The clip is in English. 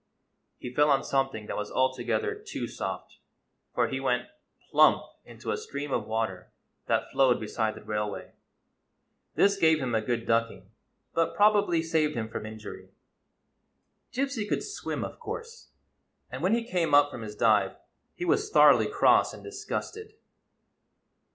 He fell on something that was alto gether too soft; for he went, plump! into a stream of water that flowed beside the railway. This gave him a good ducking, but probably saved him from injury. Gypsy could swim, of course; and when he came up from his dive he was thoroughly cross and disgusted.